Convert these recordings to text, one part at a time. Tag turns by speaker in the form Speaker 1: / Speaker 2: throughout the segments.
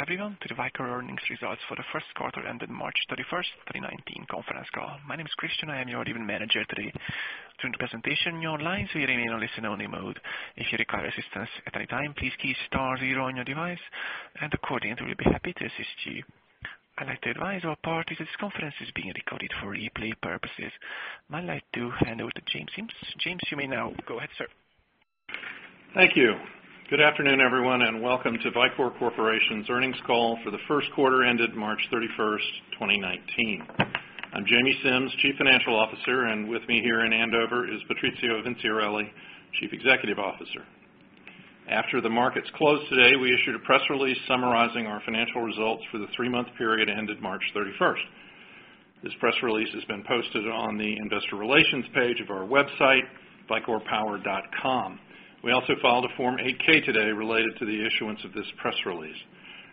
Speaker 1: Welcome everyone to the Vicor Earnings Results for the first quarter ended March 31st, 2019 conference call. My name is Christian, I am your event manager today. During the presentation you are online, so you remain on listen-only mode. If you require assistance at any time, please key star zero on your device and a coordinator will be happy to assist you. I would like to advise all parties, this conference is being recorded for replay purposes. I would like to hand over to James Simms. James, you may now go ahead, sir.
Speaker 2: Thank you. Good afternoon, everyone, and welcome to Vicor Corporation's earnings call for the first quarter ended March 31st, 2019. I am Jamie Simms, Chief Financial Officer, and with me here in Andover is Patrizio Vinciarelli, Chief Executive Officer. After the markets closed today, we issued a press release summarizing our financial results for the three-month period ended March 31st. This press release has been posted on the investor relations page of our website, vicorpower.com. We also filed a Form 8-K today related to the issuance of this press release.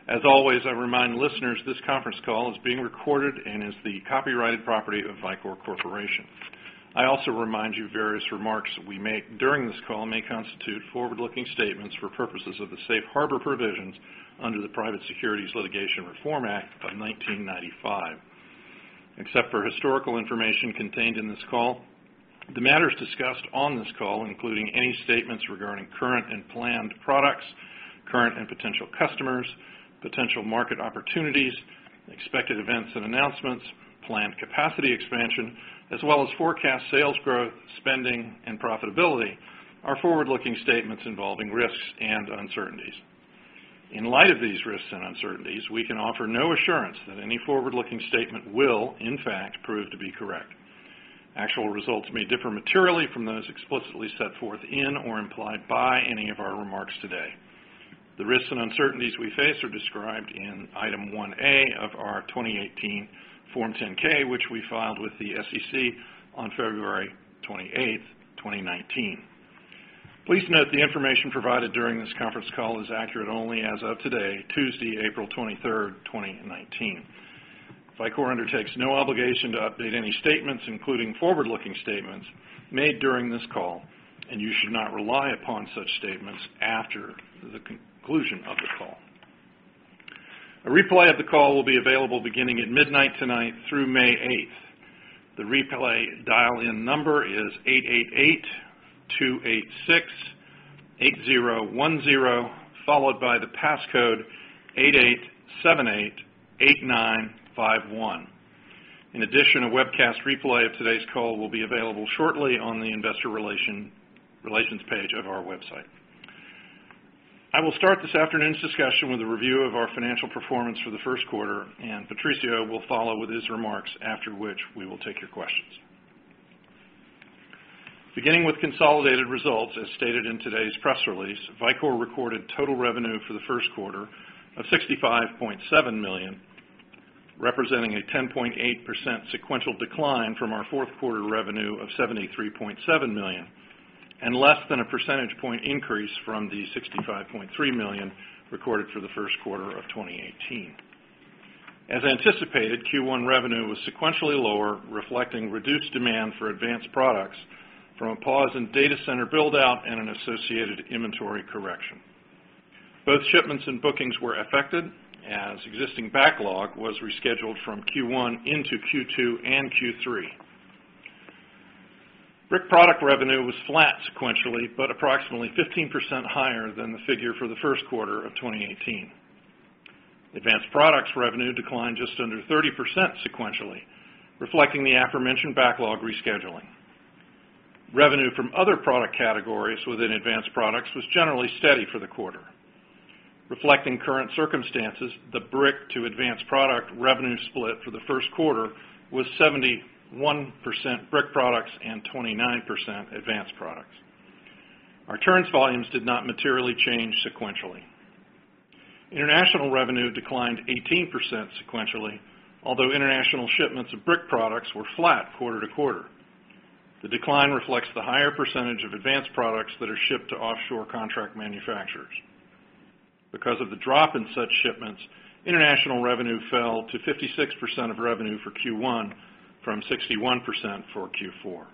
Speaker 2: As always, I remind listeners this conference call is being recorded and is the copyrighted property of Vicor Corporation. I also remind you various remarks we make during this call may constitute forward-looking statements for purposes of the safe harbor provisions under the Private Securities Litigation Reform Act of 1995. Except for historical information contained in this call, the matters discussed on this call, including any statements regarding current and planned products, current and potential customers, potential market opportunities, expected events and announcements, planned capacity expansion, as well as forecast sales growth, spending, and profitability, are forward-looking statements involving risks and uncertainties. In light of these risks and uncertainties, we can offer no assurance that any forward-looking statement will in fact prove to be correct. Actual results may differ materially from those explicitly set forth in or implied by any of our remarks today. The risks and uncertainties we face are described in Item 1A of our 2018 Form 10-K, which we filed with the SEC on February 28th, 2019. Please note the information provided during this conference call is accurate only as of today, Tuesday, April 23rd, 2019. Vicor undertakes no obligation to update any statements, including forward-looking statements made during this call. You should not rely upon such statements after the conclusion of the call. A replay of the call will be available beginning at midnight tonight through May 8th. The replay dial-in number is 888-286-8010, followed by the passcode 8878-8951. In addition, a webcast replay of today's call will be available shortly on the investor relations page of our website. I will start this afternoon's discussion with a review of our financial performance for the first quarter, and Patrizio will follow with his remarks, after which we will take your questions. Beginning with consolidated results as stated in today's press release, Vicor recorded total revenue for the first quarter of $65.7 million, representing a 10.8% sequential decline from our fourth quarter revenue of $73.7 million, and less than a percentage point increase from the $65.3 million recorded for the first quarter of 2018. As anticipated, Q1 revenue was sequentially lower, reflecting reduced demand for advanced products from a pause in data center build-out and an associated inventory correction. Both shipments and bookings were affected as existing backlog was rescheduled from Q1 into Q2 and Q3. Brick Products revenue was flat sequentially, but approximately 15% higher than the figure for the first quarter of 2018. Advanced products revenue declined just under 30% sequentially, reflecting the aforementioned backlog rescheduling. Revenue from other product categories within advanced products was generally steady for the quarter. Reflecting current circumstances, the Brick Products to advanced products revenue split for the first quarter was 71% Brick Products and 29% advanced products. Our turns volumes did not materially change sequentially. International revenue declined 18% sequentially, although international shipments of Brick Products were flat quarter to quarter. The decline reflects the higher percentage of advanced products that are shipped to offshore Contract Manufacturers. Because of the drop in such shipments, international revenue fell to 56% of revenue for Q1 from 61% for Q4.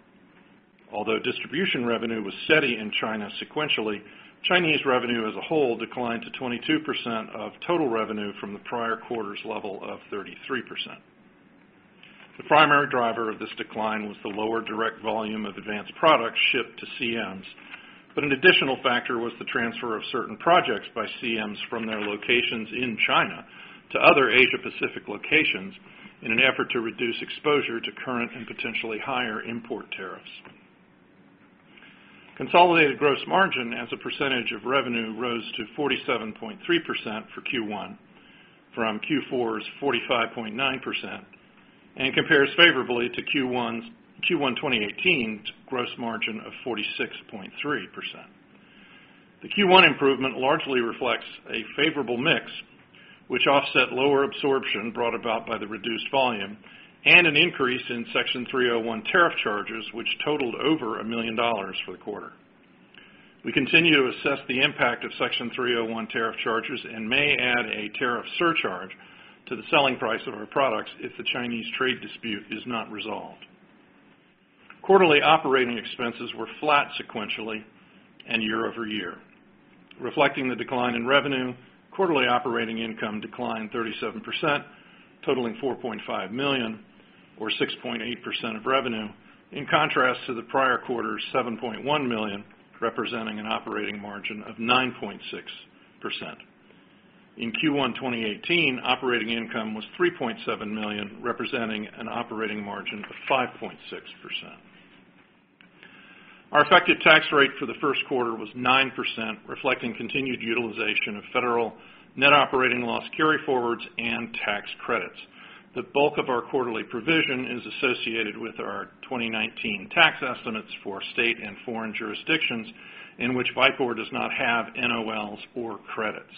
Speaker 2: Although distribution revenue was steady in China sequentially, Chinese revenue as a whole declined to 22% of total revenue from the prior quarter's level of 33%. The primary driver of this decline was the lower direct volume of advanced products shipped to CMs. An additional factor was the transfer of certain projects by CMs from their locations in China to other Asia-Pacific locations in an effort to reduce exposure to current and potentially higher import tariffs. Consolidated gross margin as a percentage of revenue rose to 47.3% for Q1 from Q4's 45.9%, and compares favorably to Q1 2018's gross margin of 46.3%. The Q1 improvement largely reflects a favorable mix, which offset lower absorption brought about by the reduced volume and an increase in Section 301 tariff charges, which totaled over $1 million for the quarter. We continue to assess the impact of Section 301 tariff charges and may add a tariff surcharge to the selling price of our products if the Chinese trade dispute is not resolved. Quarterly operating expenses were flat sequentially and year-over-year. Reflecting the decline in revenue, quarterly operating income declined 37%, totaling $4.5 million, or 6.8% of revenue, in contrast to the prior quarter's $7.1 million, representing an operating margin of 9.6%. In Q1 2018, operating income was $3.7 million, representing an operating margin of 5.6%. Our effective tax rate for the first quarter was 9%, reflecting continued utilization of federal Net Operating Losses carryforwards and tax credits. The bulk of our quarterly provision is associated with our 2019 tax estimates for state and foreign jurisdictions in which Vicor does not have NOLs or credits.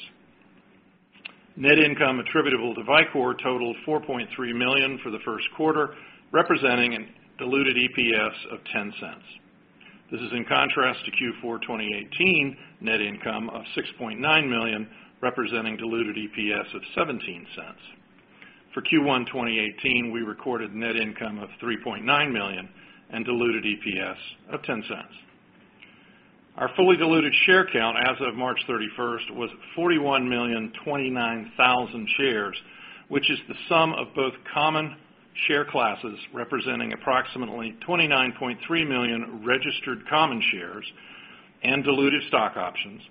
Speaker 2: Net income attributable to Vicor totaled $4.3 million for the first quarter, representing a diluted EPS of $0.10. This is in contrast to Q4 2018 net income of $6.9 million, representing diluted EPS of $0.17. For Q1 2018, we recorded net income of $3.9 million and diluted EPS of $0.10. Our fully diluted share count as of March 31st was 41,029,000 shares, which is the sum of both common share classes, representing approximately 29.3 million registered common shares and diluted stock options,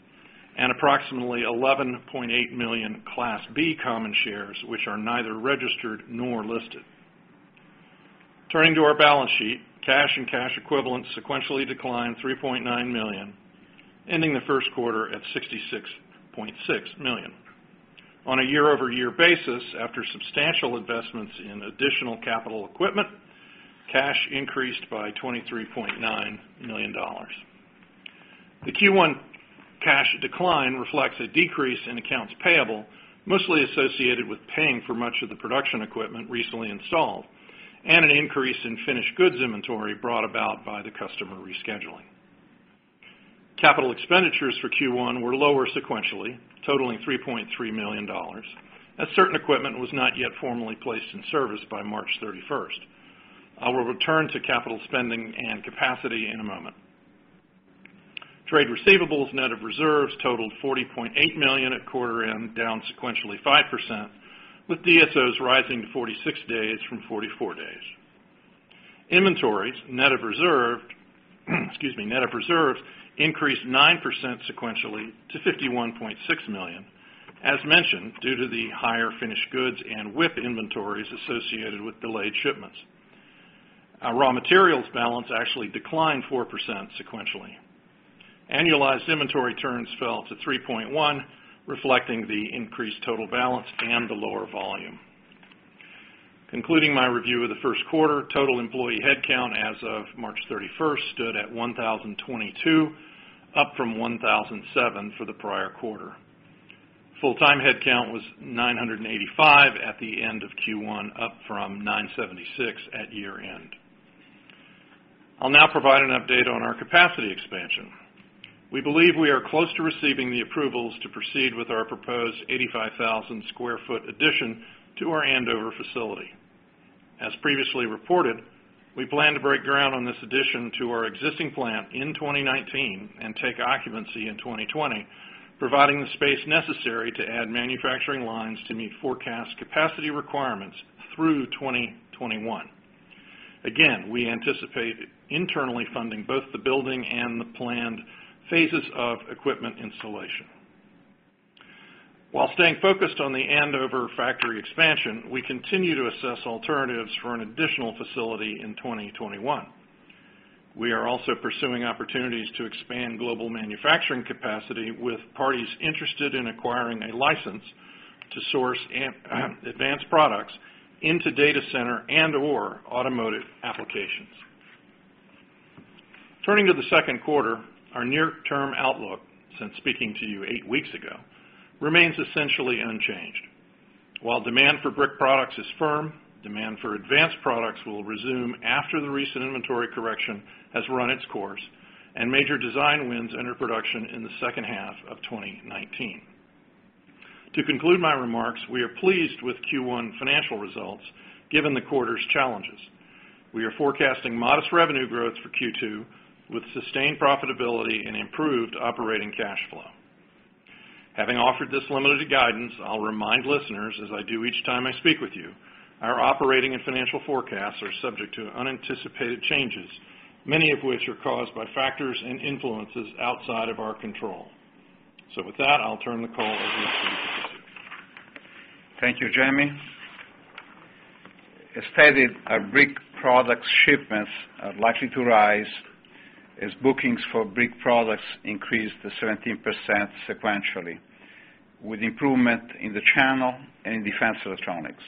Speaker 2: and approximately 11.8 million Class B common shares, which are neither registered nor listed. Turning to our balance sheet, cash and cash equivalents sequentially declined $3.9 million, ending the first quarter at $66.6 million. On a year-over-year basis, after substantial investments in additional capital equipment, cash increased by $23.9 million. The Q1 cash decline reflects a decrease in accounts payable, mostly associated with paying for much of the production equipment recently installed, and an increase in finished goods inventory brought about by the customer rescheduling. Capital expenditures for Q1 were lower sequentially, totaling $3.3 million, as certain equipment was not yet formally placed in service by March 31st. I will return to capital spending and capacity in a moment. Trade receivables, net of reserves, totaled $40.8 million at quarter end, down sequentially 5%, with DSOs rising to 46 days from 44 days. Inventories, net of reserves, increased 9% sequentially to $51.6 million, as mentioned, due to the higher finished goods and WIP inventories associated with delayed shipments. Our raw materials balance actually declined 4% sequentially. Annualized inventory turns fell to 3.1, reflecting the increased total balance and the lower volume. Concluding my review of the first quarter, total employee headcount as of March 31st stood at 1,022, up from 1,007 for the prior quarter. Full-time headcount was 985 at the end of Q1, up from 976 at year-end. I'll now provide an update on our capacity expansion. We believe we are close to receiving the approvals to proceed with our proposed 85,000 square foot addition to our Andover facility. As previously reported, we plan to break ground on this addition to our existing plant in 2019 and take occupancy in 2020, providing the space necessary to add manufacturing lines to meet forecast capacity requirements through 2021. We anticipate internally funding both the building and the planned phases of equipment installation. While staying focused on the Andover factory expansion, we continue to assess alternatives for an additional facility in 2021. We are also pursuing opportunities to expand global manufacturing capacity with parties interested in acquiring a license to source advanced products into data center and/or automotive applications. Turning to the second quarter, our near-term outlook since speaking to you eight weeks ago remains essentially unchanged. While demand for Brick Products is firm, demand for advanced products will resume after the recent inventory correction has run its course and major design wins enter production in the second half of 2019. To conclude my remarks, we are pleased with Q1 financial results given the quarter's challenges. We are forecasting modest revenue growth for Q2, with sustained profitability and improved operating cash flow. Having offered this limited guidance, I'll remind listeners, as I do each time I speak with you, our operating and financial forecasts are subject to unanticipated changes, many of which are caused by factors and influences outside of our control. With that, I'll turn the call over to. [inaudible]
Speaker 3: Thank you, Jamie. As stated, our Brick Products shipments are likely to rise as bookings for Brick Products increased to 17% sequentially, with improvement in the channel and in defense electronics.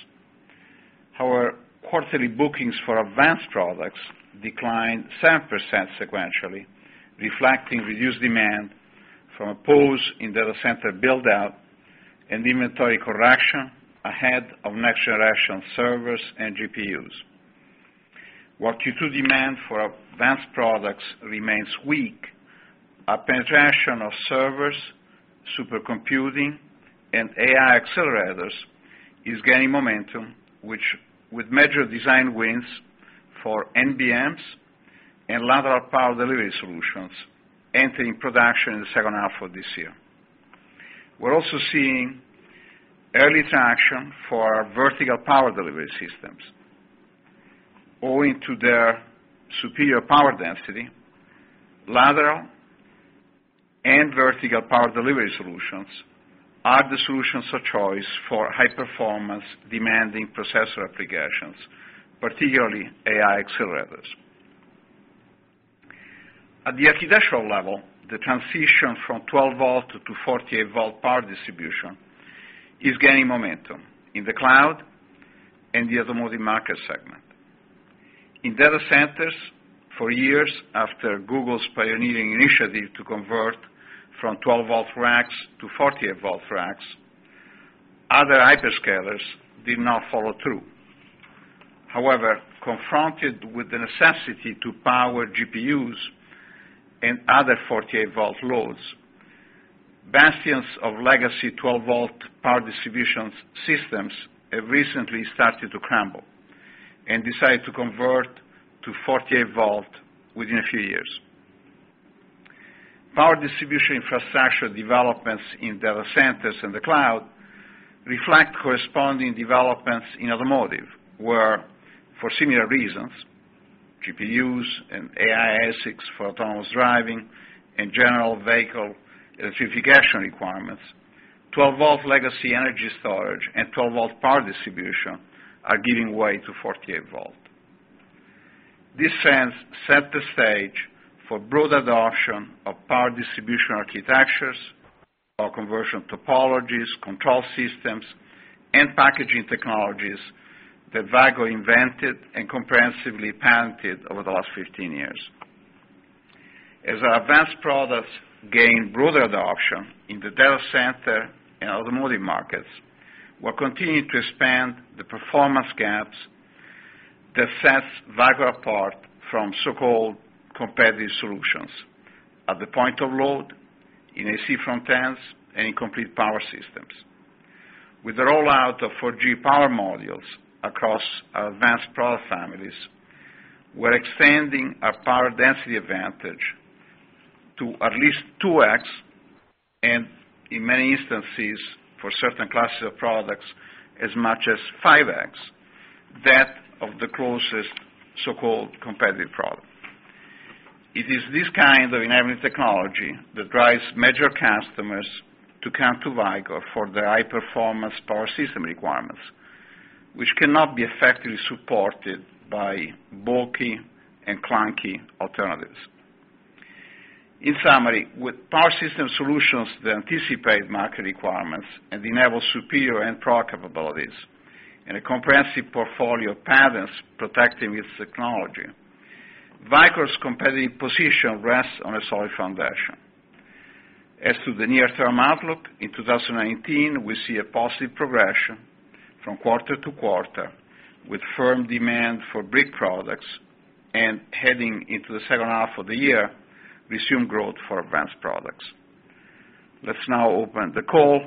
Speaker 3: Our quarterly bookings for advanced products declined 7% sequentially, reflecting reduced demand from a pause in data center build-out and inventory correction ahead of next-generation servers and GPUs. While Q2 demand for advanced products remains weak, our penetration of servers, supercomputing, and AI accelerators is gaining momentum, with major design wins for NBMs and Lateral Power Delivery solutions entering production in the second half of this year. We're also seeing early traction for our Vertical Power Delivery systems. Owing to their superior power density, Lateral and Vertical Power Delivery solutions are the solutions of choice for high-performance demanding processor applications, particularly AI accelerators. At the architectural level, the transition from 12 volt to 48 volt power distribution is gaining momentum in the cloud and the automotive market segment. In data centers, for years after Google's pioneering initiative to convert from 12 volt racks to 48 volt racks, other hyperscalers did not follow through. Confronted with the necessity to power GPUs and other 48 volt loads, bastions of legacy 12 volt power distribution systems have recently started to crumble and decided to convert to 48 volt within a few years. Power distribution infrastructure developments in data centers in the cloud reflect corresponding developments in automotive, where, for similar reasons, GPUs and AI ASICs for autonomous driving and general vehicle electrification requirements, 12 volt legacy energy storage and 12 volt power distribution are giving way to 48 volt. This sets the stage for broad adoption of power distribution architectures or conversion topologies, control systems, and packaging technologies that Vicor invented and comprehensively patented over the last 15 years. As our advanced products gain broader adoption in the data center and automotive markets, we're continuing to expand the performance gaps that sets Vicor apart from so-called competitive solutions at the point of load, in AC front ends, and in complete power systems. With the rollout of 4G power modules across our advanced product families, we're expanding our power density advantage to at least 2x, and in many instances, for certain classes of products, as much as 5x, that of the closest so-called competitive product. It is this kind of enabling technology that drives major customers to come to Vicor for their high-performance power system requirements, which cannot be effectively supported by bulky and clunky alternatives. In summary, with power system solutions that anticipate market requirements and enable superior end-product capabilities and a comprehensive portfolio of patents protecting its technology, Vicor's competitive position rests on a solid foundation. As to the near-term outlook, in 2019, we see a positive progression from quarter to quarter, with firm demand for Brick Products. Heading into the second half of the year, we assume growth for advanced products. Let's now open the call.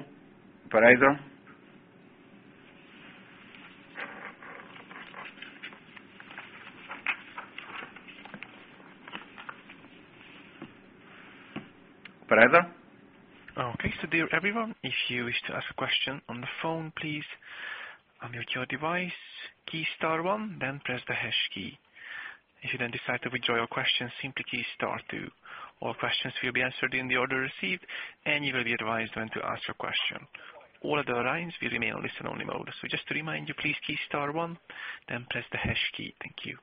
Speaker 3: Operator. Operator?
Speaker 1: Okay. Dear everyone, if you wish to ask a question on the phone, please unmute your device, key star one, then press the hash key. If you then decide to withdraw your question, simply key star two. All questions will be answered in the order received, and you will be advised when to ask your question. All other lines will remain on listen-only mode. Just to remind you, please key star one, then press the hash key. Thank you.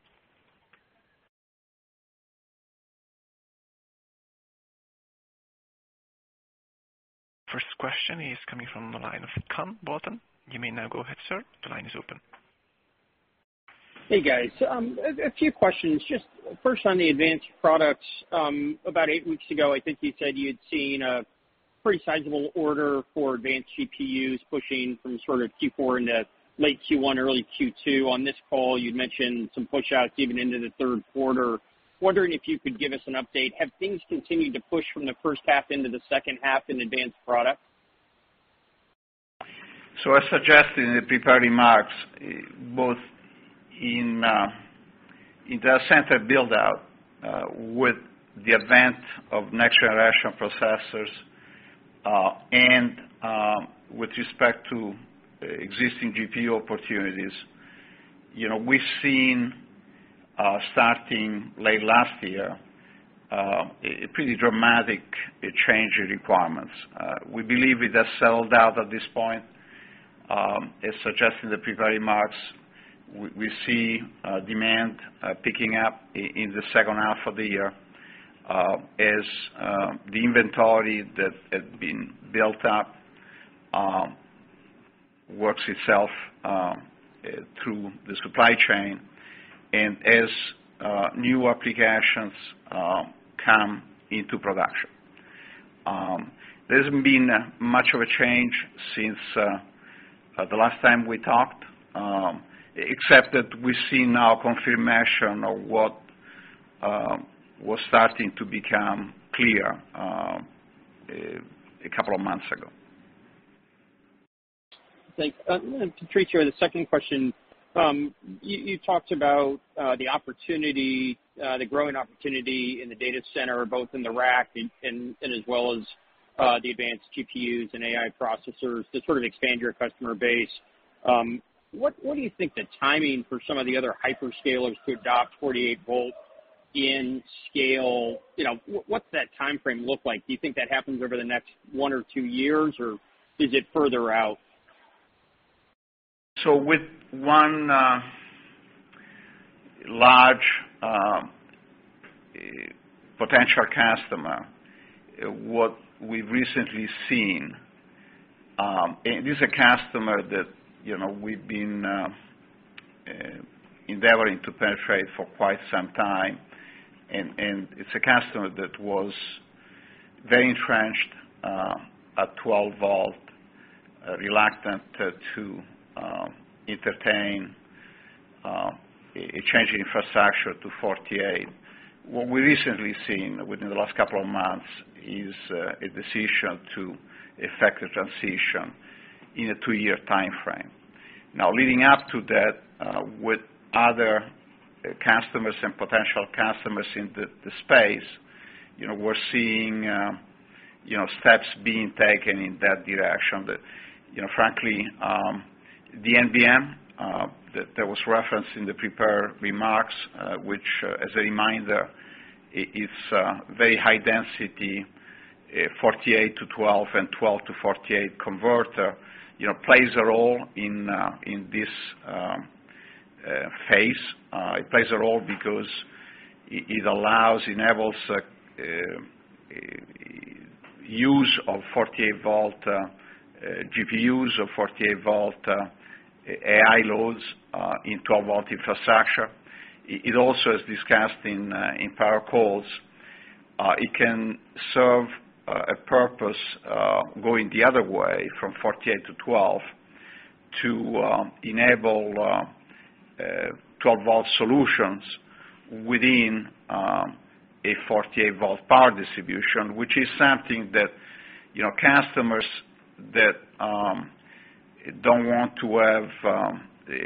Speaker 1: First question is coming from the line of Quinn Bolton. You may now go ahead, sir. The line is open.
Speaker 4: Hey, guys. A few questions. Just first on the advanced products, about eight weeks ago, I think you said you had seen a pretty sizable order for advanced GPUs pushing from Q4 into late Q1, early Q2. On this call, you'd mentioned some pushouts even into the third quarter. Wondering if you could give us an update. Have things continued to push from the first half into the second half in advanced products?
Speaker 3: As suggested in the prepared remarks, both in data center build-out, with the advent of next-generation processors, and with respect to existing GPU opportunities, we've seen, starting late last year, a pretty dramatic change in requirements. We believe it has settled out at this point. As suggested in the prepared remarks, we see demand picking up in the second half of the year as the inventory that had been built up works itself through the supply chain and as new applications come into production. There hasn't been much of a change since the last time we talked, except that we see now confirmation of what was starting to become clear a couple of months ago.
Speaker 4: Thanks. Patrizio, the second question. You talked about the growing opportunity in the data center, both in the rack and as well as the advanced GPUs and AI processors to sort of expand your customer base. What do you think the timing for some of the other hyperscalers to adopt 48-volt in scale, what's that timeframe look like? Do you think that happens over the next one or two years, or is it further out?
Speaker 3: With one large potential customer, what we've recently seen, and this is a customer that we've been endeavoring to penetrate for quite some time, and it's a customer that was very entrenched at 12 volt, reluctant to entertain changing infrastructure to 48. What we recently seen within the last couple of months is a decision to effect a transition in a two-year timeframe. Now, leading up to that, with other customers and potential customers in the space, we're seeing steps being taken in that direction that, frankly, the NBM, that was referenced in the prepared remarks, which, as a reminder, it's a very high density, 48 to 12 and 12 to 48 converter, plays a role in this phase. It plays a role because it enables use of 48 volt GPUs of 48 volt AI loads in 12 volt infrastructure. It also is discussed in power cores. It can serve a purpose going the other way from 48 to 12 to enable 12 volt solutions within a 48 volt power distribution, which is something that customers that don't want to have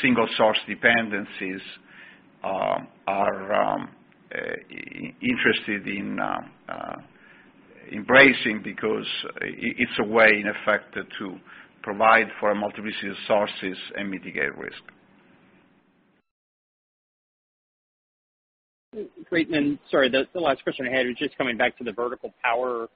Speaker 3: single source dependencies are interested in embracing because it's a way, in effect, to provide for multiple resources and mitigate risk.
Speaker 4: Great. Sorry, the last question I had was just coming back to the vertical power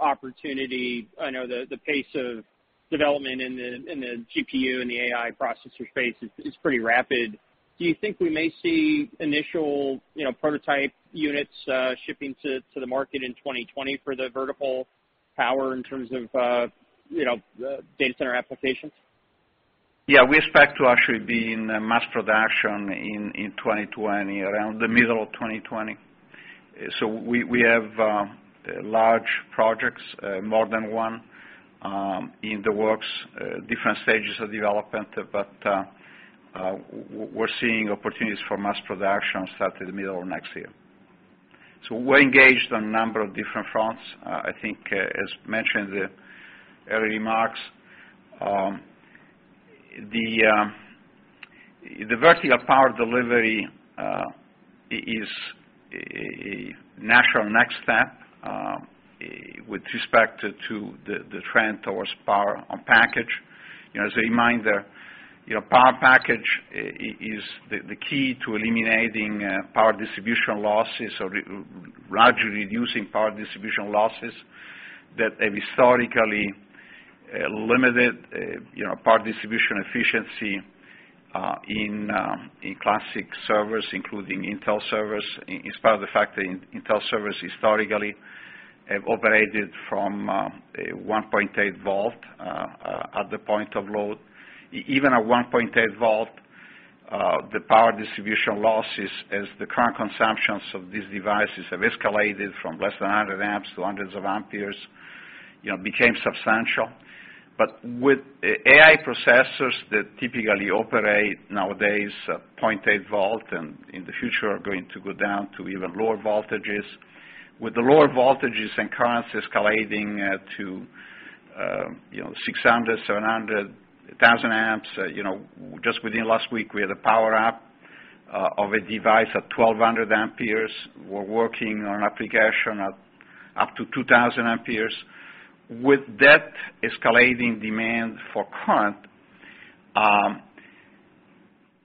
Speaker 4: opportunity. I know the pace of development in the GPU and the AI processor space is pretty rapid. Do you think we may see initial prototype units shipping to the market in 2020 for the vertical power in terms of data center applications?
Speaker 3: We expect to actually be in mass production in 2020, around the middle of 2020. We have large projects, more than one, in the works, different stages of development. We're seeing opportunities for mass production start in the middle of next year. We're engaged on a number of different fronts. I think as mentioned in the early remarks, the Vertical Power Delivery is a natural next step with respect to the trend towards Power-on-Package. As a reminder, Power-on-Package is the key to eliminating power distribution losses or largely reducing power distribution losses that have historically limited power distribution efficiency in classic servers, including Intel servers, in spite of the fact that Intel servers historically have operated from a 1.8 volt at the point of load. Even at 1.8 volt, the power distribution losses as the current consumptions of these devices have escalated from less than 100 amps to hundreds of amperes, became substantial. With AI processors that typically operate nowadays at 0.8 volt, and in the future are going to go down to even lower voltages. With the lower voltages and currents escalating to 600, 700, 1,000 amps, just within last week, we had a power up of a device at 1,200 amperes. We're working on application up to 2,000 amperes. With that escalating demand for current,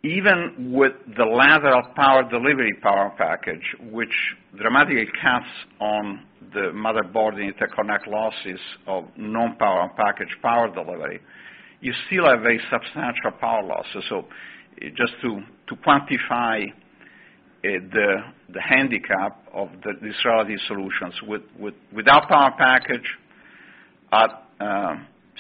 Speaker 3: even with the Lateral Power Delivery Power-on-Package, which dramatically cuts on the motherboard interconnect losses of non-Power-on-Package power delivery, you still have a substantial power loss. Just to quantify the handicap of these relative solutions, without Power-on-Package,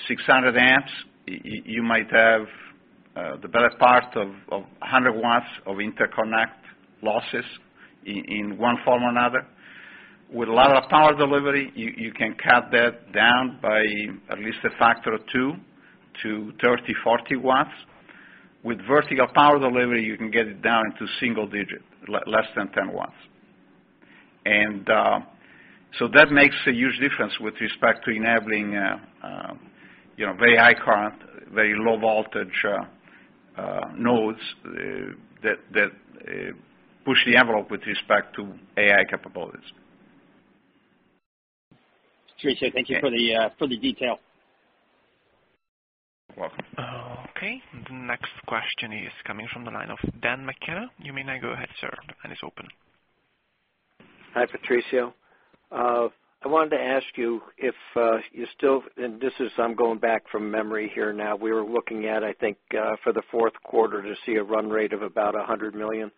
Speaker 3: 600 amps, you might have the better part of 100 watts of interconnect losses in one form or another. With Lateral Power Delivery, you can cut that down by at least a factor of two to 30, 40 watts. With Vertical Power Delivery, you can get it down to single digit, less than 10 watts. That makes a huge difference with respect to enabling very high current, very low voltage nodes that push the envelope with respect to AI capabilities.
Speaker 4: Patrizio, thank you for the detail.
Speaker 3: You're welcome.
Speaker 1: Okay. The next question is coming from the line of Don McKenna. You may now go ahead, sir. The line is open.
Speaker 5: Hi, Patrizio. I wanted to ask you if you still, I'm going back from memory here now. We were looking at, I think for the fourth quarter to see a run rate of about $100 million,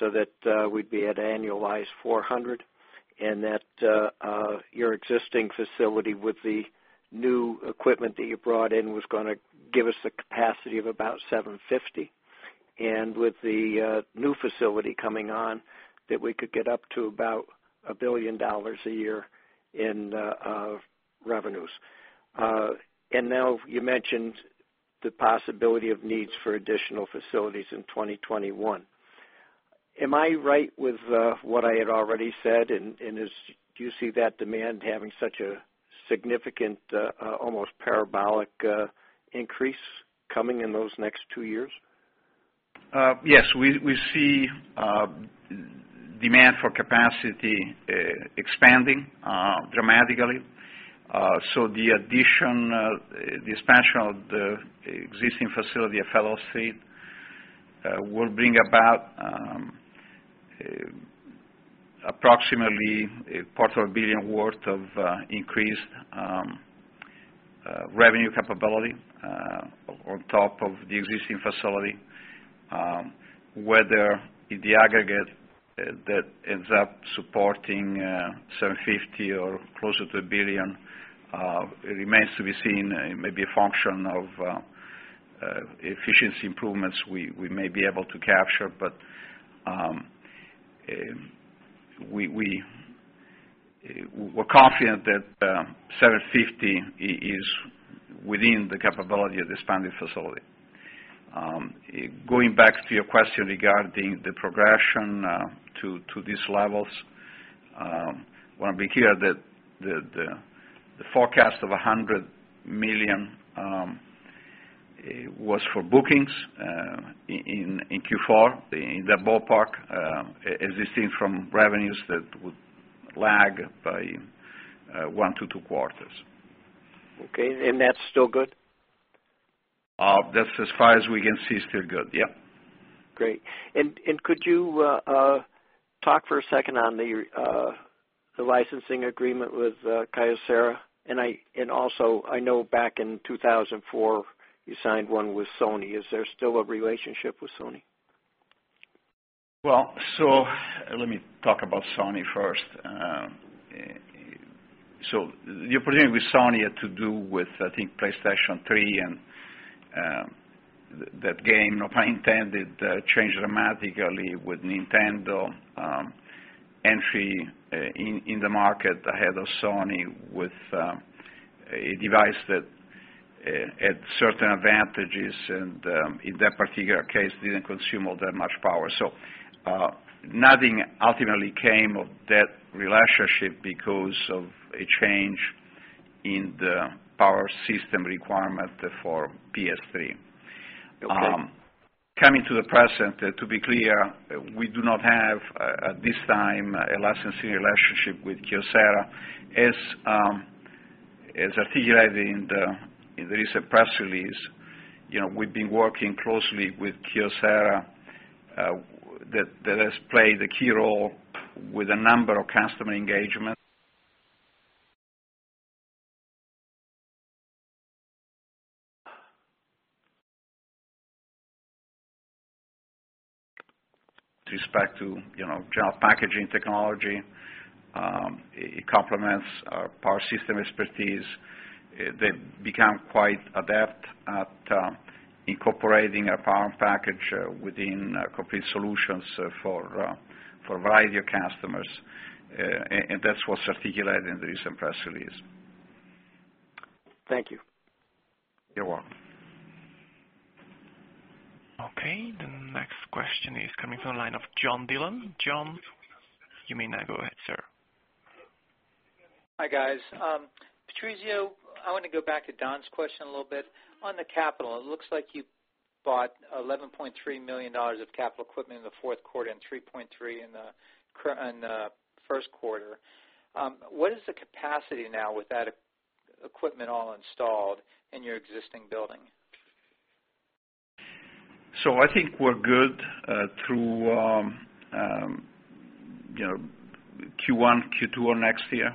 Speaker 5: so that we'd be at annualized $400 million. That your existing facility with the new equipment that you brought in was going to give us the capacity of about $750 million. With the new facility coming on, that we could get up to about $1 billion a year in revenues. Now you mentioned the possibility of needs for additional facilities in 2021. Am I right with what I had already said, and do you see that demand having such a significant, almost parabolic increase coming in those next 2 years?
Speaker 3: Yes, we see demand for capacity expanding dramatically. The expansion of the existing facility at Federal Street will bring about approximately a quarter of billion worth of increased revenue capability on top of the existing facility. Whether in the aggregate that ends up supporting $750 million or closer to $1 billion, it remains to be seen. It may be a function of efficiency improvements we may be able to capture, but we're confident that $750 million is within the capability of the expanded facility. Going back to your question regarding the progression to these levels, want to be clear that the forecast of $100 million was for bookings in Q4, in that ballpark, existing from revenues that would lag by one to two quarters.
Speaker 5: Okay. That's still good?
Speaker 3: That's as far as we can see, still good. Yep.
Speaker 5: Great. Could you talk for a second on the licensing agreement with Kyocera? Also, I know back in 2004, you signed one with Sony. Is there still a relationship with Sony?
Speaker 3: Let me talk about Sony first. The agreement with Sony had to do with, I think, PlayStation 3, and that game, no pun intended, changed dramatically with Nintendo entry in the market ahead of Sony with a device that had certain advantages, and in that particular case, didn't consume all that much power. Nothing ultimately came of that relationship because of a change in the power system requirement for PS3.
Speaker 5: Okay.
Speaker 3: Coming to the present, to be clear, we do not have at this time a licensing relationship with Kyocera. As articulated in the recent press release, we've been working closely with Kyocera, that has played a key role with a number of customer engagement. With respect to general packaging technology, it complements our power system expertise. They've become quite adept at incorporating a power package within complete solutions for a variety of customers, and that's what's articulated in the recent press release.
Speaker 5: Thank you.
Speaker 3: You're welcome.
Speaker 1: The next question is coming from the line of John Dillon. John, you may now go ahead, sir.
Speaker 6: Hi, guys. Patrizio, I want to go back to Don's question a little bit. On the capital, it looks like you bought $11.3 million of capital equipment in the fourth quarter and $3.3 million in the first quarter. What is the capacity now with that equipment all installed in your existing building?
Speaker 3: I think we're good through Q1, Q2 of next year.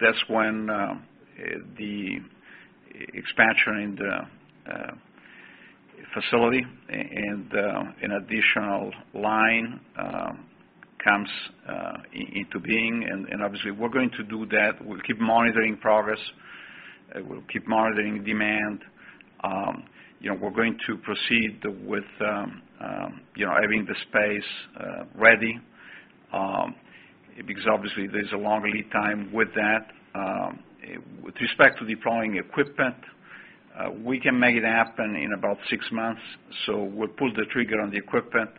Speaker 3: That's when the expansion in the facility and an additional line comes into being. Obviously we're going to do that. We'll keep monitoring progress, we'll keep monitoring demand. We're going to proceed with having the space ready, because obviously there's a long lead time with that. With respect to deploying equipment, we can make it happen in about six months. We'll pull the trigger on the equipment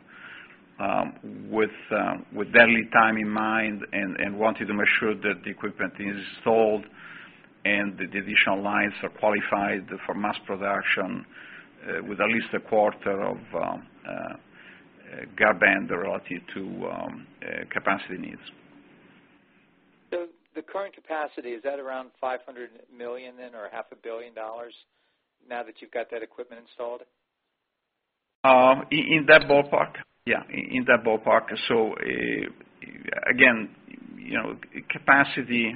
Speaker 3: with that lead time in mind, wanting to make sure that the equipment is installed, and the additional lines are qualified for mass production with at least a quarter of guard band relative to capacity needs.
Speaker 6: The current capacity, is that around $500 million then or a half a billion dollars now that you've got that equipment installed?
Speaker 3: In that ballpark. In that ballpark. Again, capacity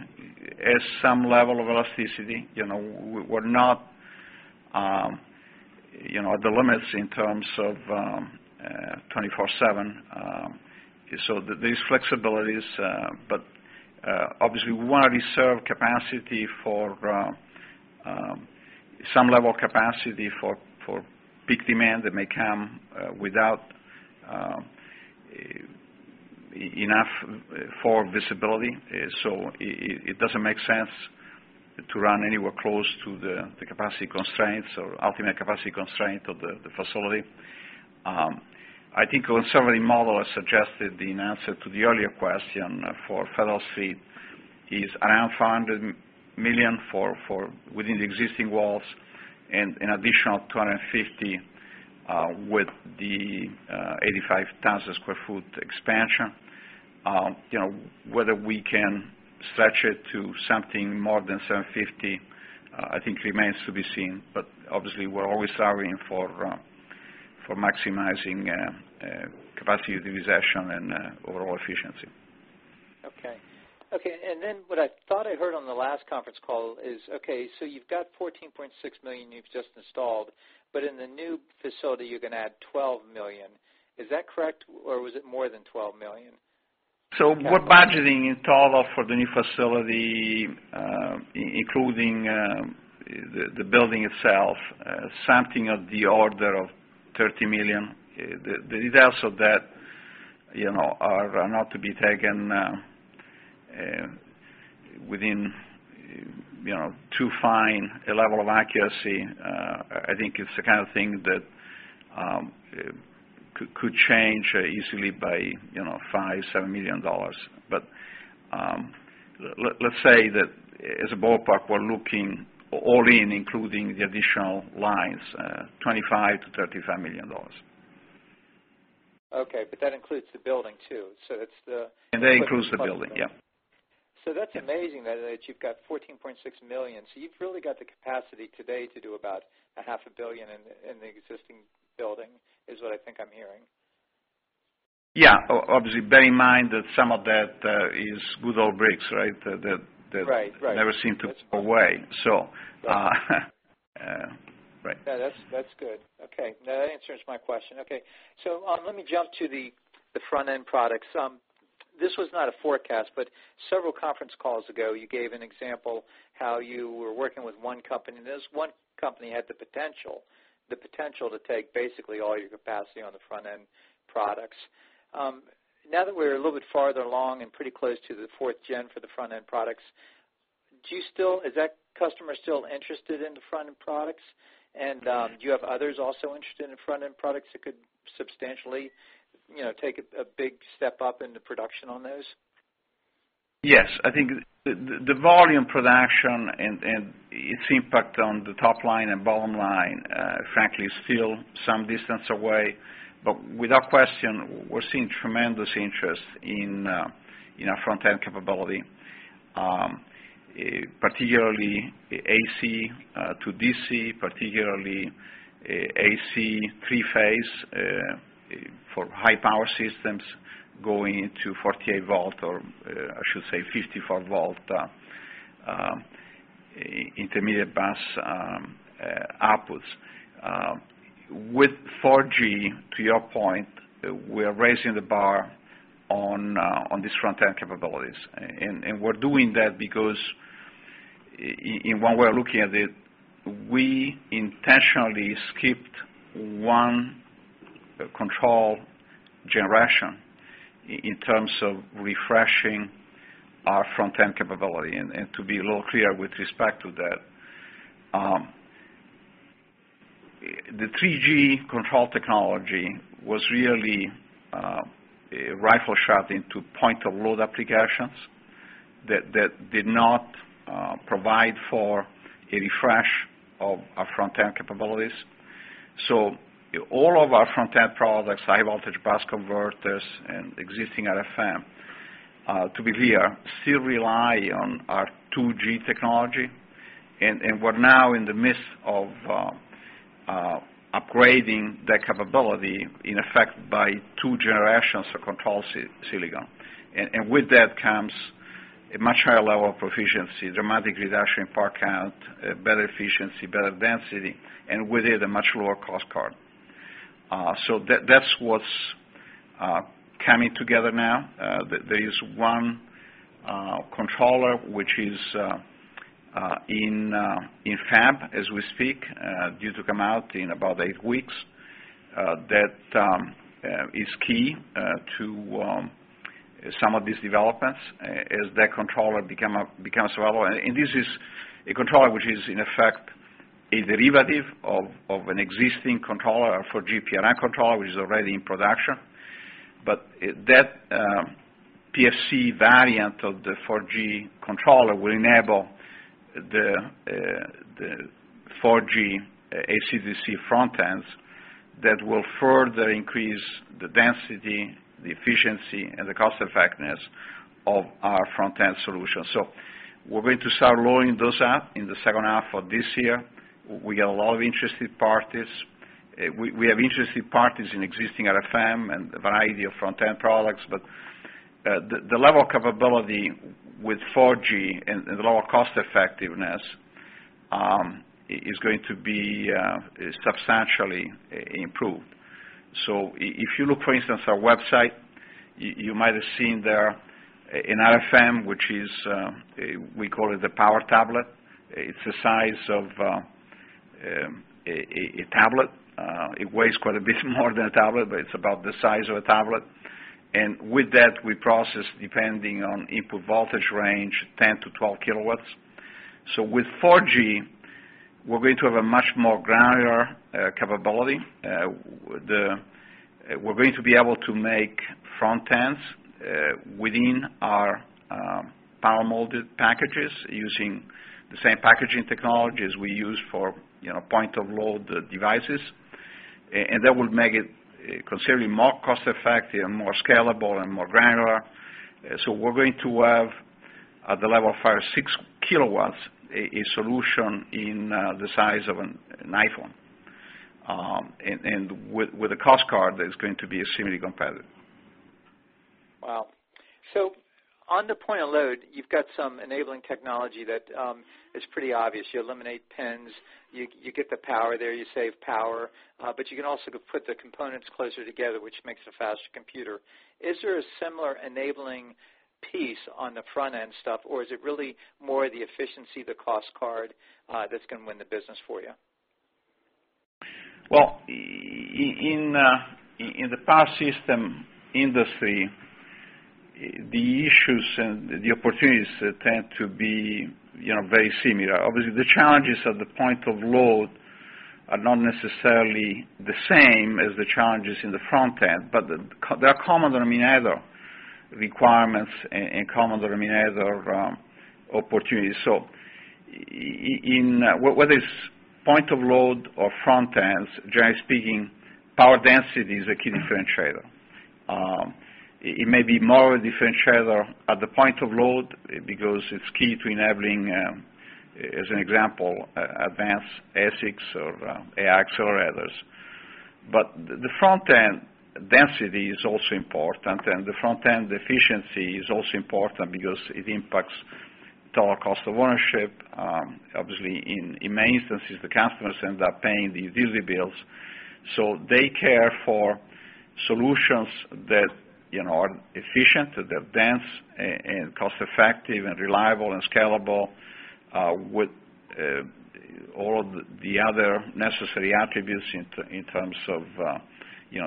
Speaker 3: has some level of elasticity. We're not at the limits in terms of 24/7. Obviously we want to reserve some level of capacity for peak demand that may come without enough forward visibility. It doesn't make sense to run anywhere close to the capacity constraints or ultimate capacity constraint of the facility. I think our summary model has suggested, in answer to the earlier question for fellow seat, is around $500 million within the existing walls and an additional $250 million with the 85,000 sq ft expansion. Whether we can stretch it to something more than $750 million, I think remains to be seen. Obviously we're always striving for maximizing capacity utilization and overall efficiency.
Speaker 6: Okay. What I thought I heard on the last conference call is, okay, you've got $14.6 million you've just installed. In the new facility you're going to add $12 million. Is that correct, or was it more than $12 million?
Speaker 3: We're budgeting in total for the new facility, including the building itself, something of the order of $30 million. The details of that are not to be taken within too fine a level of accuracy. I think it's the kind of thing that could change easily by $5 million, $7 million. Let's say that, as a ballpark, we're looking all in, including the additional lines, $25 million-$35 million.
Speaker 6: Okay. That includes the building too.
Speaker 3: That includes the building. Yeah.
Speaker 6: That's amazing that you've got $14.6 million. You've really got the capacity today to do about a half a billion in the existing building, is what I think I'm hearing.
Speaker 3: Yeah. Obviously, bear in mind that some of that is good old bricks, right?
Speaker 6: Right.
Speaker 3: That never seem to go away, right.
Speaker 6: Yeah, that's good. Okay. No, that answers my question. Okay. Let me jump to the front-end products. This was not a forecast, several conference calls ago, you gave an example how you were working with one company, and this one company had the potential to take basically all your capacity on the front-end products. Now that we're a little bit farther along and pretty close to the fourth-gen for the front-end products, is that customer still interested in the front-end products? Do you have others also interested in front-end products that could substantially take a big step up in the production on those?
Speaker 3: Yes. I think the volume production and its impact on the top line and bottom line, frankly, is still some distance away. Without question, we're seeing tremendous interest in our front-end capability, particularly AC/DC, particularly AC three-phase for high power systems going to 48 volt, or I should say 54 volt, intermediate bus outputs. With 4G, to your point, we are raising the bar on these front-end capabilities. We're doing that because when we're looking at it, we intentionally skipped one control generation in terms of refreshing our front-end capability. To be a little clear with respect to that, the 3G control technology was really a rifle shot into point-of-load applications that did not provide for a refresh of our front-end capabilities. All of our front-end products, high voltage bus converters, and existing RFM, to be clear, still rely on our 2G technology. We're now in the midst of upgrading that capability, in effect, by two generations of control silicon. With that comes a much higher level of proficiency, dramatic reduction in part count, better efficiency, better density, and with it, a much lower cost card. That's what's coming together now. There is one controller which is in fab as we speak, due to come out in about eight weeks, that is key to some of these developments, as that controller becomes available. This is a controller which is, in effect, a derivative of an existing controller for GPR, a controller which is already in production. That PFC variant of the 4G controller will enable the 4G AC/DC front ends that will further increase the density, the efficiency, and the cost-effectiveness of our front-end solution. We're going to start rolling those out in the second half of this year. We get a lot of interested parties. We have interested parties in existing RFM and a variety of front-end products. The level of capability with 4G and the lower cost-effectiveness is going to be substantially improved. If you look, for instance, at our website, you might have seen there an RFM, which is, we call it the Power Tablet. It's the size of a tablet. It weighs quite a bit more than a tablet, but it's about the size of a tablet, and with that, we process, depending on input voltage range, 10 to 12 kilowatts. With 4G, we're going to have a much more granular capability. We're going to be able to make front ends within our power-molded packages using the same packaging technology as we use for point-of-load devices. That will make it considerably more cost-effective, more scalable, and more granular. We're going to have, at the level of our six kilowatts, a solution in the size of an iPhone, and with a cost card that is going to be extremely competitive.
Speaker 6: Wow. On the point of load, you've got some enabling technology that is pretty obvious. You eliminate pins, you get the power there, you save power. You can also put the components closer together, which makes a faster computer. Is there a similar enabling piece on the front-end stuff, or is it really more the efficiency, the cost card that's going to win the business for you?
Speaker 3: In the power system industry, the issues and the opportunities tend to be very similar. The challenges of the point of load are not necessarily the same as the challenges in the front end, but they are common denominator requirements and common denominator opportunities. Whether it's point of load or front ends, generally speaking, power density is a key differentiator. It may be more of a differentiator at the point of load because it's key to enabling, as an example, advanced ASICs or AI accelerators. The front-end density is also important, and the front-end efficiency is also important because it impacts total cost of ownership. In many instances, the customers end up paying the utility bills, they care for solutions that are efficient, that are dense and cost-effective and reliable and scalable, with all of the other necessary attributes in terms of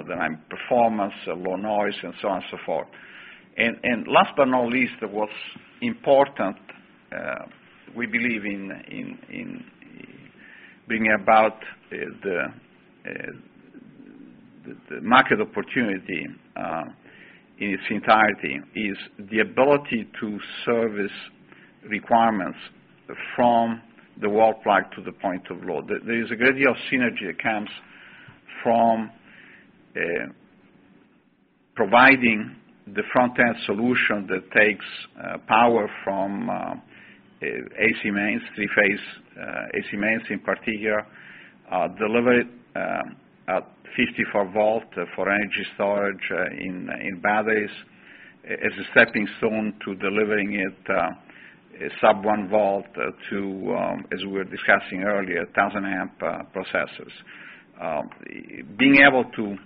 Speaker 3: dynamic performance, low noise, and so on and so forth. Last but not least, what's important, we believe, in bringing about the market opportunity in its entirety is the ability to service requirements from the wall plug to the point of load. There is a great deal of synergy that comes from providing the front-end solution that takes power from AC mains, three-phase AC mains in particular, deliver it at 54 V for energy storage in batteries, as a stepping stone to delivering it sub 1 V to, as we were discussing earlier, 1,000 A processors. Being able to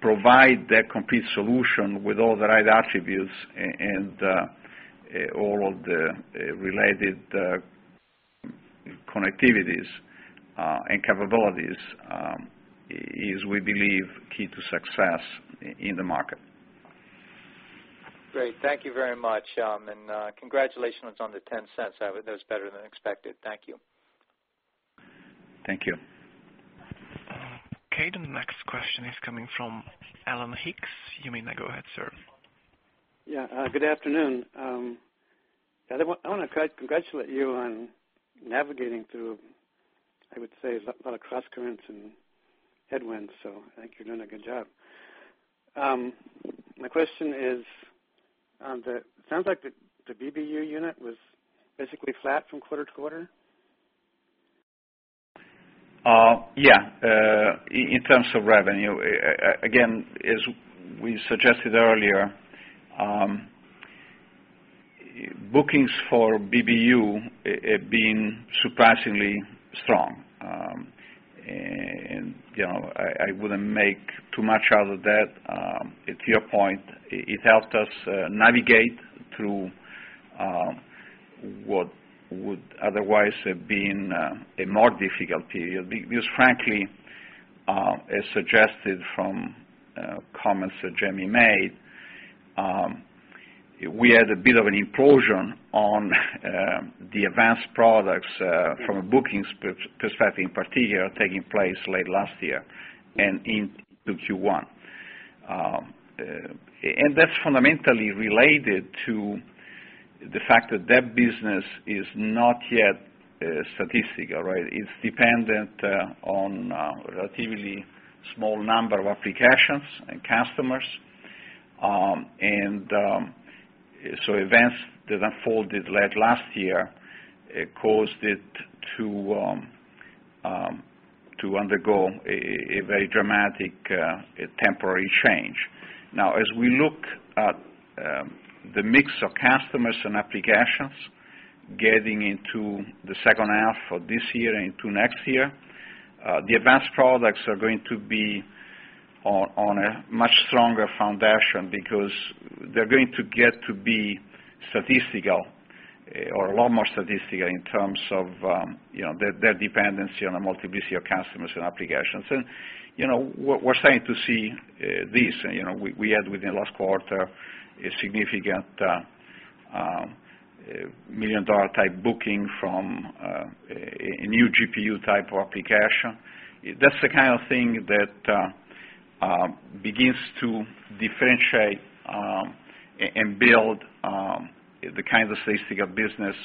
Speaker 3: provide that complete solution with all the right attributes and all of the related connectivities and capabilities is, we believe, key to success in the market.
Speaker 6: Great. Thank you very much. Congratulations on the $0.10. That was better than expected. Thank you.
Speaker 3: Thank you.
Speaker 1: Okay. The next question is coming from Alan Hicks. You may now go ahead, sir.
Speaker 7: Good afternoon. I want to congratulate you on navigating through, I would say, a lot of crosscurrents and headwinds. I think you're doing a good job. My question is, it sounds like the BBU unit was basically flat from quarter-to-quarter.
Speaker 3: In terms of revenue, again, as we suggested earlier, bookings for BBU have been surprisingly strong. I wouldn't make too much out of that. To your point, it helped us navigate through what would otherwise have been a more difficult period, because frankly, as suggested from comments that Jamie made, we had a bit of an implosion on the advanced products from a bookings perspective, in particular, taking place late last year and into Q1. That's fundamentally related to the fact that that business is not yet statistical, right? It's dependent on a relatively small number of applications and customers. Events that unfolded late last year caused it to undergo a very dramatic temporary change. As we look at the mix of customers and applications getting into the second half of this year and into next year, the advanced products are going to be on a much stronger foundation because they're going to get to be statistical or a lot more statistical in terms of their dependency on a multiplicity of customers and applications. We're starting to see this. We had within the last quarter a significant million-dollar type booking from a new GPU type of application. That's the kind of thing that begins to differentiate and build the kind of statistical business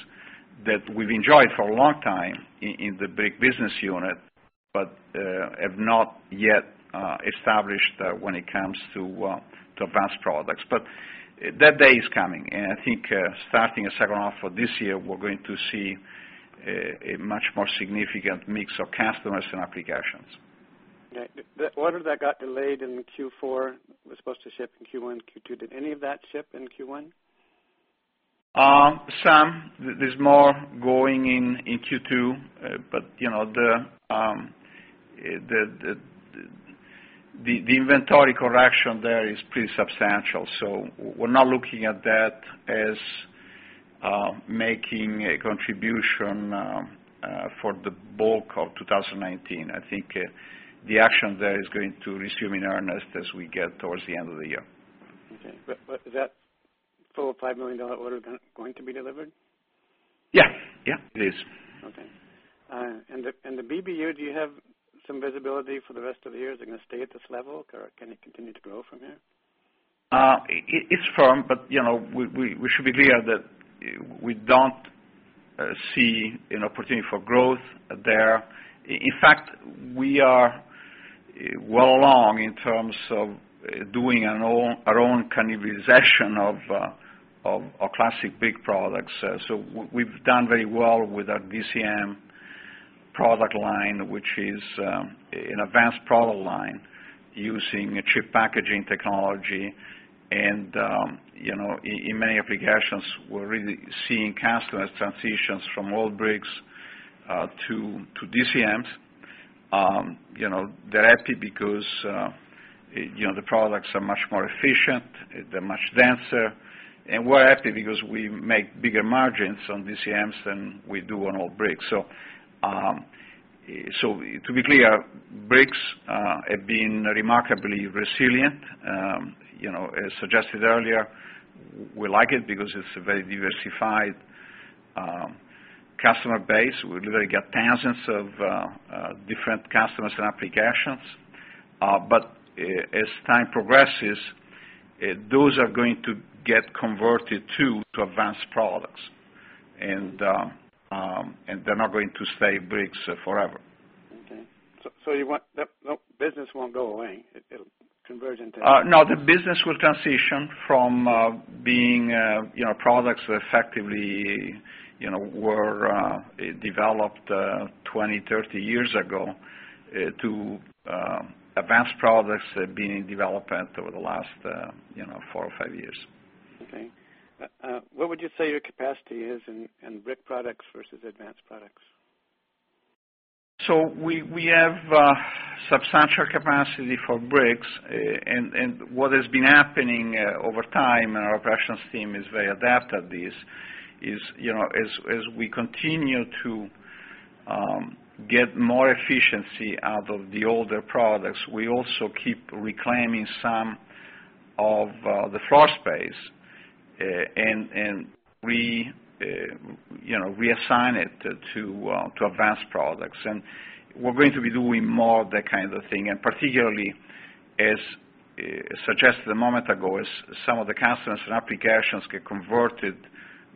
Speaker 3: that we've enjoyed for a long time in the Brick Business Unit, but have not yet established when it comes to advanced products. That day is coming. I think starting the second half of this year, we're going to see a much more significant mix of customers and applications.
Speaker 7: What if that got delayed in Q4, was supposed to ship in Q1, Q2. Did any of that ship in Q1?
Speaker 3: Some. There's more going in Q2. The inventory correction there is pretty substantial. We're not looking at that as making a contribution for the bulk of 2019. I think the action there is going to resume in earnest as we get towards the end of the year.
Speaker 7: Okay. Is that full $5 million order going to be delivered?
Speaker 3: Yeah. It is.
Speaker 7: Okay. The BBU, do you have some visibility for the rest of the year? Is it going to stay at this level, or can it continue to grow from here?
Speaker 3: It's firm, but we should be clear that we don't see an opportunity for growth there. In fact, we are well along in terms of doing our own kind of recession of our classic brick products. We've done very well with our DCM product line, which is an advanced product line using a ChiP packaging technology. In many applications, we're really seeing customers transitions from old bricks to DCMs. They're happy because the products are much more efficient, they're much denser, and we're happy because we make bigger margins on DCMs than we do on old bricks. To be clear, bricks have been remarkably resilient. As suggested earlier, we like it because it's a very diversified customer base. We literally get thousands of different customers and applications. As time progresses, those are going to get converted, too, to advanced products, and they're not going to stay bricks forever.
Speaker 7: Okay. The business won't go away. It'll converge into-
Speaker 3: No, the business will transition from being products that effectively were developed 20, 30 years ago, to advanced products that have been in development over the last four or five years.
Speaker 7: Okay. What would you say your capacity is in Brick Products versus advanced products?
Speaker 3: We have substantial capacity for bricks. What has been happening over time, and our operations team is very adept at this, is as we continue to get more efficiency out of the older products, we also keep reclaiming some of the floor space and reassign it to advanced products. We're going to be doing more of that kind of thing, and particularly, as suggested a moment ago, as some of the customers and applications get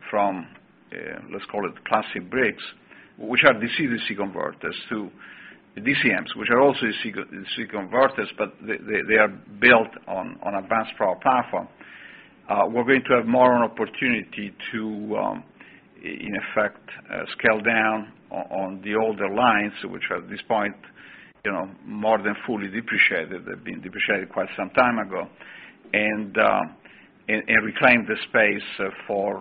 Speaker 3: converted from, let's call it classic bricks, which are DC-DC converters, to DCMs, which are also DC converters, but they are built on advanced power platform. We're going to have more opportunity to, in effect, scale down on the older lines, which at this point, more than fully depreciated. They've been depreciated quite some time ago. Reclaim the space for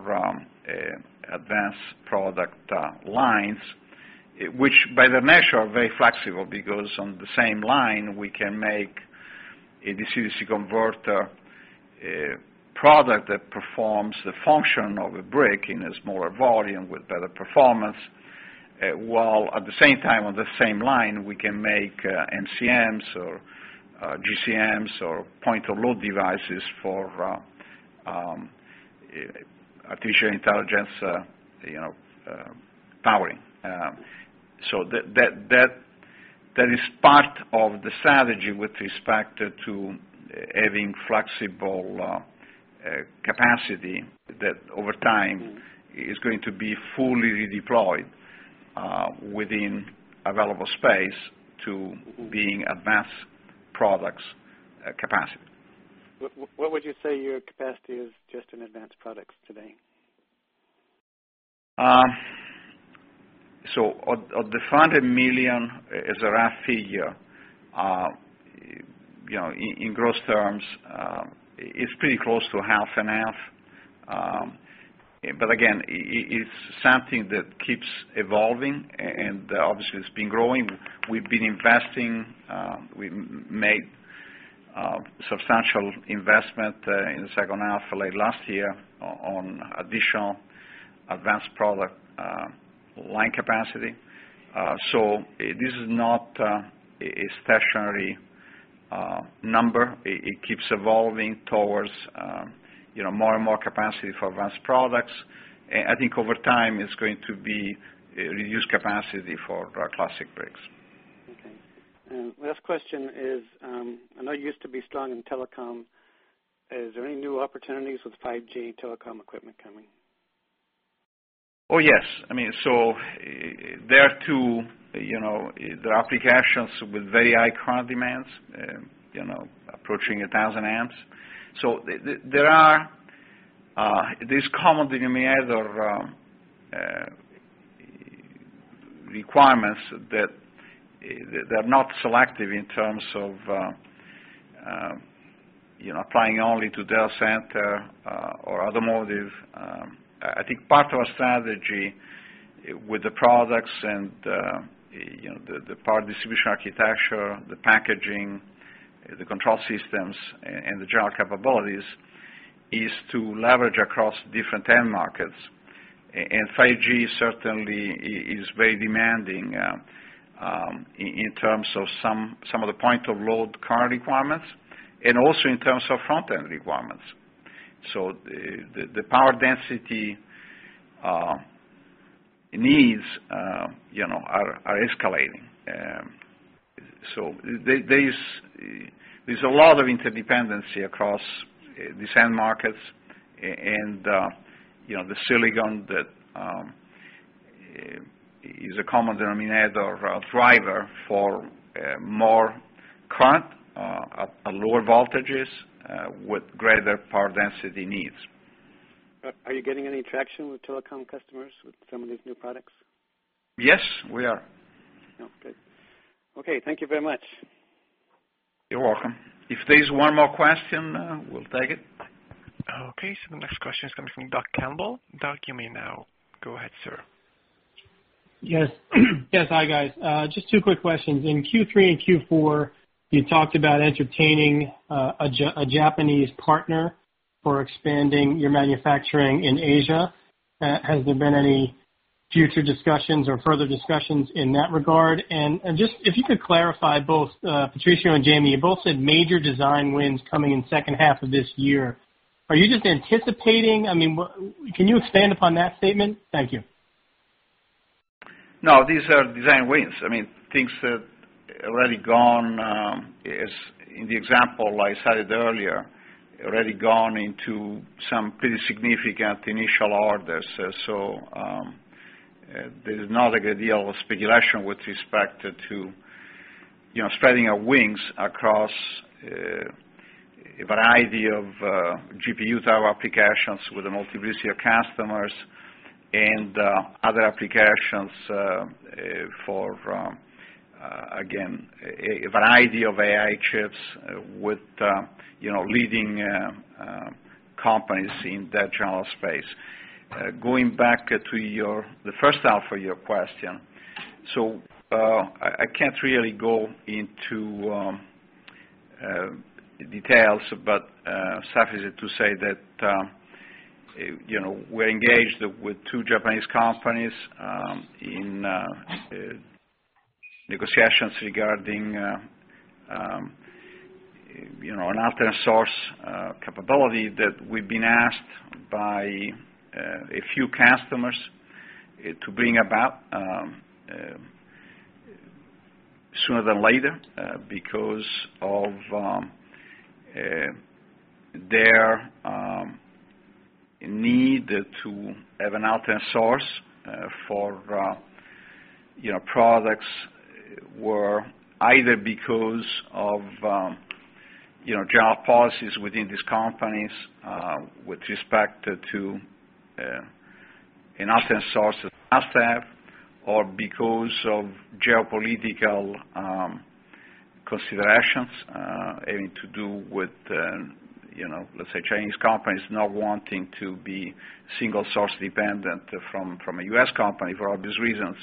Speaker 3: advanced product lines, which by their nature are very flexible, because on the same line, we can make a DC-DC converter product that performs the function of a brick in a smaller volume with better performance. While at the same time, on the same line, we can make MCMs or GCMs or point-of-load devices for artificial intelligence powering. That is part of the strategy with respect to having flexible capacity that over time is going to be fully redeployed within available space to being advanced products capacity.
Speaker 7: What would you say your capacity is just in advanced products today?
Speaker 3: Of the $500 million, as a rough figure, in gross terms, it's pretty close to half and half. Again, it's something that keeps evolving, and obviously it's been growing. We've been investing. We made substantial investment in the second half of late last year on additional advanced product line capacity. This is not a stationary number. It keeps evolving towards more and more capacity for advanced products. I think over time it's going to be reduced capacity for our classic bricks.
Speaker 7: Okay. Last question is, I know you used to be strong in telecom. Is there any new opportunities with 5G telecom equipment coming?
Speaker 3: Oh, yes. There are two applications with very high current demands, approaching 1,000 amps. There is common denominator requirements that are not selective in terms of applying only to data center or automotive. I think part of our strategy with the products and the power distribution architecture, the packaging, the control systems, and the general capabilities, is to leverage across different end markets. 5G certainly is very demanding in terms of some of the point-of-load current requirements, and also in terms of front-end requirements. The power density needs are escalating. There's a lot of interdependency across these end markets, and the silicon that is a common denominator driver for more current at lower voltages with greater power density needs.
Speaker 7: Are you getting any traction with telecom customers with some of these new products?
Speaker 3: Yes, we are.
Speaker 7: Oh, good. Okay, thank you very much.
Speaker 3: You're welcome. If there's one more question, we'll take it.
Speaker 1: Okay, the next question is coming from Doug Campbell. Doug, you may now go ahead, sir.
Speaker 8: Yes. Yes, hi, guys. Just two quick questions. In Q3 and Q4, you talked about entertaining a Japanese partner for expanding your manufacturing in Asia. Has there been any future discussions or further discussions in that regard? Just if you could clarify both, Patrizio and Jamie, you both said major design wins coming in second half of this year. Are you just anticipating, can you expand upon that statement? Thank you.
Speaker 3: No, these are design wins. Things that already gone, as in the example I cited earlier, already gone into some pretty significant initial orders. This is not like ideal speculation with respect to spreading our wings across a variety of GPU tower applications with the MCM customers and other applications for, again, a variety of AI chips with leading companies in that general space. Going back to the first half of your question. I can't really go into details, but suffice it to say that we're engaged with two Japanese companies in negotiations regarding an alternate source capability that we've been asked by a few customers to bring about sooner than later, because of their need to have an alternate source for products were either because of general policies within these companies with respect to an alternate source that they must have, or because of geopolitical considerations having to do with, let's say, Chinese companies not wanting to be single source dependent from a U.S. company for obvious reasons.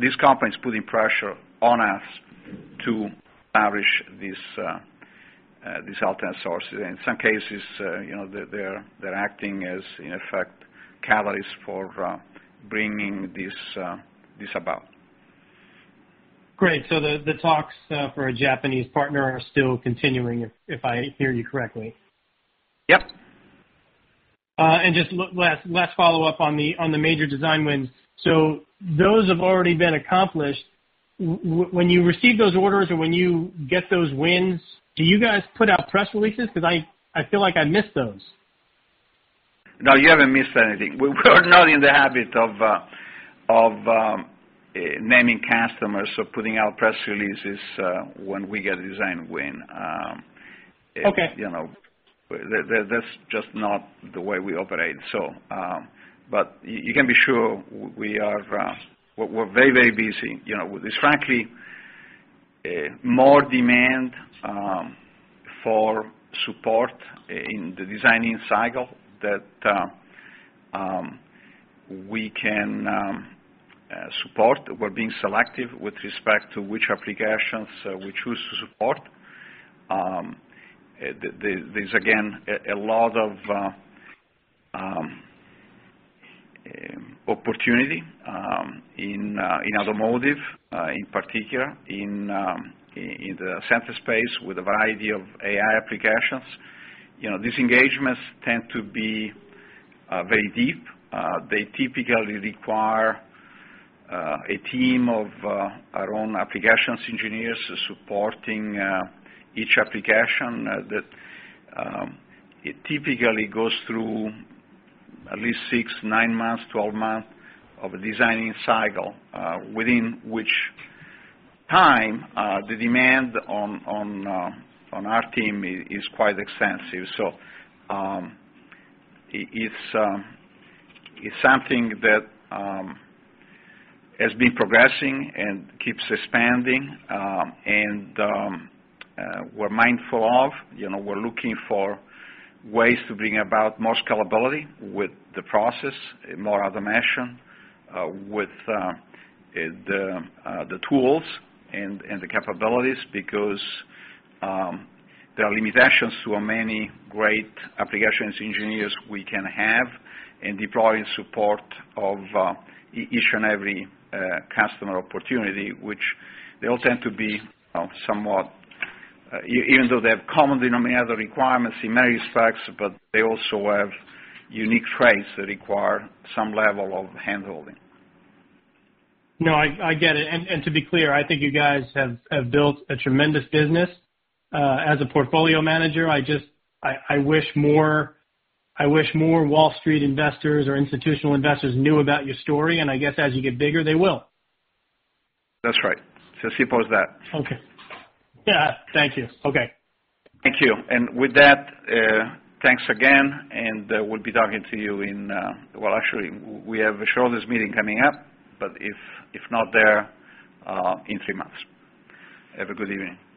Speaker 3: These companies putting pressure on us to establish these alternate sources. In some cases, they're acting as, in effect, catalysts for bringing this about.
Speaker 8: Great. The talks for a Japanese partner are still continuing, if I hear you correctly.
Speaker 3: Yep.
Speaker 8: Just last follow-up on the major design wins. Those have already been accomplished. When you receive those orders or when you get those wins, do you guys put out press releases? Because I feel like I missed those.
Speaker 3: No, you haven't missed anything. We're not in the habit of naming customers or putting out press releases when we get a design win.
Speaker 8: Okay.
Speaker 3: You can be sure we're very busy. There's frankly more demand for support in the design-in cycle that we can support. We're being selective with respect to which applications we choose to support. There's again, a lot of opportunity in automotive, in particular in the sensor space with a variety of AI applications. These engagements tend to be very deep. They typically require a team of our own applications engineers supporting each application that it typically goes through at least six, nine months, 12 months of a design-in cycle, within which time, the demand on our team is quite extensive. It's something that has been progressing and keeps expanding. We're mindful of, we're looking for ways to bring about more scalability with the process, more automation, with the tools and the capabilities, because there are limitations to how many great applications engineers we can have in deploying support of each and every customer opportunity, which they all tend to be. Even though they have common denominator requirements in many respects, but they also have unique traits that require some level of handholding.
Speaker 8: No, I get it. To be clear, I think you guys have built a tremendous business. As a portfolio manager, I wish more Wall Street investors or institutional investors knew about your story, and I guess as you get bigger, they will.
Speaker 3: That's right. Suppose that.
Speaker 8: Okay. Yeah. Thank you. Okay.
Speaker 3: Thank you. With that, thanks again, and we'll be talking to you in Well, actually, we have a shareholders' meeting coming up, but if not there, in three months. Have a good evening.